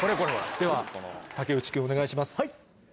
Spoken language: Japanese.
では竹内君お願いします。